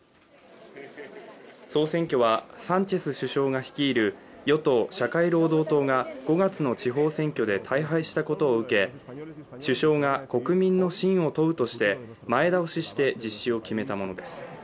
総選挙はサンチェス首相が率いる与党・社会労働党が５月の地方選挙で大敗したことを受け、首相が国民の信を問うとして前倒しして実施を決めたものです。